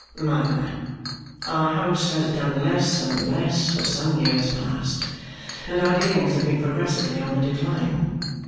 'Mother, our House has done less and less for some years past, and our dealings have been progressively on the decline.